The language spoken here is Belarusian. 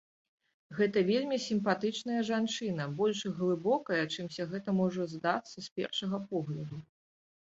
Гэта вельмі сімпатычная жанчына, больш глыбокая, чымся гэта можа здацца з першага погляду.